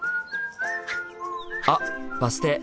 あバス停。